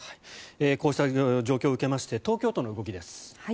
こうした状況を受けまして東京都の動きです。